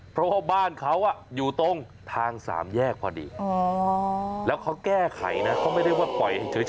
เพราะว่าบ้านเขาอยู่ตรงทางสามแยกพอดีแล้วเขาแก้ไขนะเขาไม่ได้ว่าปล่อยให้เฉย